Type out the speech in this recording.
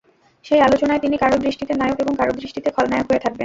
সেই আলোচনায় তিনি কারও দৃষ্টিতে নায়ক এবং কারও দৃষ্টিতে খলনায়ক হয়ে থাকবেন।